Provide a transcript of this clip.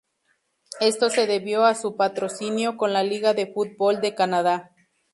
Esto se debió a su patrocinio con la Liga de Fútbol de Canadá.